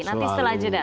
nanti setelah jeda